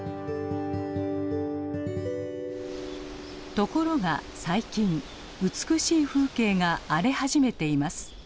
ところが最近美しい風景が荒れ始めています。